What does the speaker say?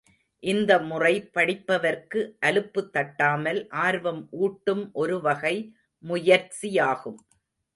இந்த முறை படிப்பவர்க்கு அலுப்பு தட்டாமல் ஆர்வம் ஊட்டும் ஒருவகை முயற்சியாகும்.